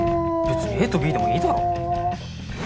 別にＡとＢでもいいだろ。